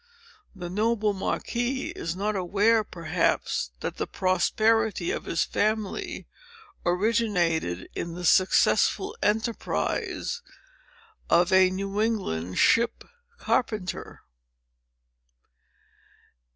The noble Marquis is not aware, perhaps, that the prosperity of his family originated in the successful enterprise of a New England ship carpenter."